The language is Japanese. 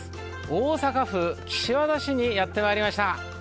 大阪府岸和田市にやってまいりました。